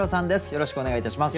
よろしくお願いします。